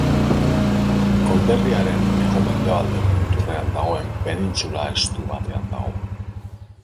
Konderriaren hego-mendebaldeko muturrean dagoen penintsula estu batean dago.